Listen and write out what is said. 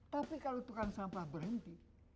tapi kalau tukang sampah berhenti